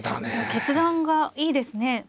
決断がいいですね。